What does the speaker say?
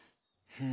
うん。